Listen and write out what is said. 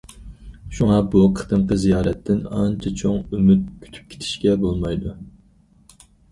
شۇڭا، بۇ قېتىمقى زىيارەتتىن ئانچە چوڭ ئۈمىد كۈتۈپ كېتىشكە بولمايدۇ.